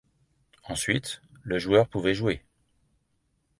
Ensuite, le joueur pouvait jouer.